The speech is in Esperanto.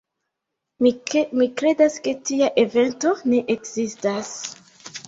Mi kredas ke tia evento ne ekzistas.